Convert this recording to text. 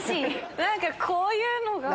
何かこういうのが。